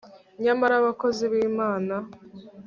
nyamara abakozi bi mana